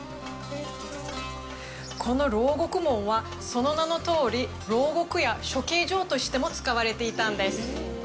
この牢獄門は、その名のとおり牢獄や処刑場としても使われていたんです。